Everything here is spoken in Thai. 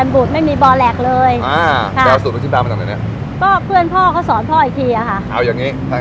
ลูกชิ้นปลาทำเองทำเงี้ยหมดเลยแล้วขนาดนี้จะไม่มีแป้ง